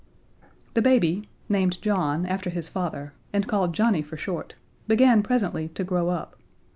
The baby named John, after his father, and called Johnnie for short began presently to grow up.